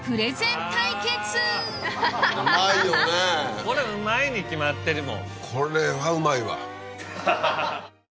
これうまいに決まってるもん。